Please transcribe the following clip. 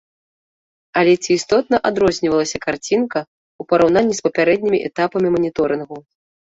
Але ці істотна адрознівалася карцінка, у параўнанні з папярэднімі этапамі маніторынгу?